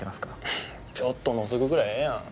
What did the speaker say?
ふっちょっとのぞくぐらいええやん。